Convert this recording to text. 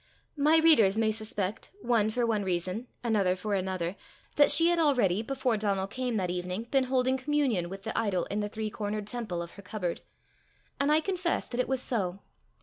My readers may suspect, one for one reason, another for another, that she had already, before Donal came that evening, been holding communion with the idol in the three cornered temple of her cupboard; and I confess that it was so.